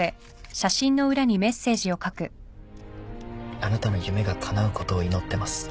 「あなたの夢が叶うことを祈ってます」